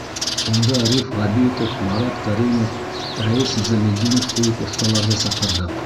— Унда Риф Ғәбитов, Марат Кәримов, Рәйес Низаметдинов кеүек оҫталарҙы саҡырҙыҡ.